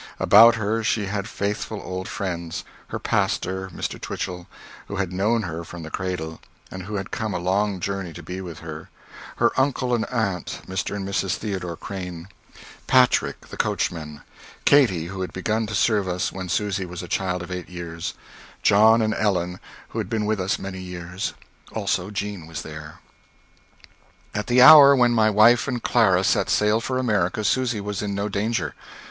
About her she had faithful old friends her pastor, Mr. Twichell, who had known her from the cradle, and who had come a long journey to be with her; her uncle and aunt, Mr. and Mrs. Theodore Crane; Patrick, the coachman; Katy, who had begun to serve us when Susy was a child of eight years; John and Ellen, who had been with us many years. Also Jean was there. At the hour when my wife and Clara set sail for America, Susy was in no danger.